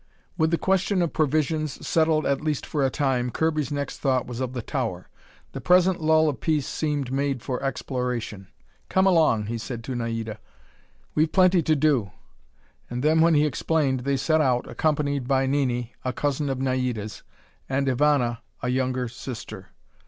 With the question of provisions settled at least for a time, Kirby's next thought was of the tower. The present lull of peace seemed made for exploration. "Come along," he said to Naida, "we've plenty to do," and then, when he explained, they set out, accompanied by Nini, a cousin of Naida's, and Ivana, a younger sister.